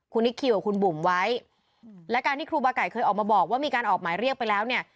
คุณนิคคิวกับคุณบุ๋มไว้และการที่ครูบาไก่เคยออกมาบอกว่ามีการออกหมายเรียกไปแล้วเนี่ย